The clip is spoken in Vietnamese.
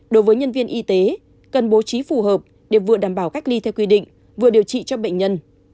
đối với nhân viên y tế cần bố trí phù hợp để vừa đảm bảo cách ly theo quy định vừa điều trị cho bệnh nhân